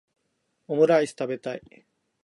オムライス食べたい